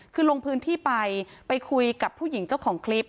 คือลงพื้นที่ไปไปคุยกับผู้หญิงเจ้าของคลิป